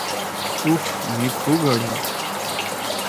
اُف مھی کُھو گھڑُو۔